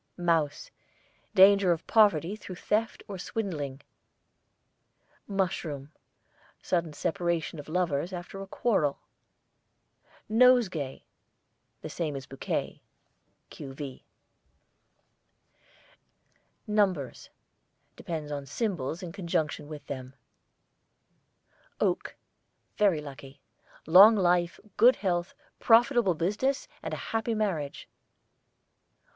MOUSE, danger of poverty through theft or swindling. MUSHROOM, sudden separation of lovers after a quarrel. NOSEGAY, the same as BOUQUET (q.v.). NUMBERS depends on symbols in conjunction with them. OAK, very lucky; long life, good health, profitable business, and a happy marriage.